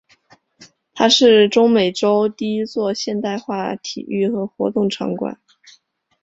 它是中美洲第一座现代化体育和活动场馆。